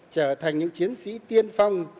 trở thành những chiến sĩ tiên phong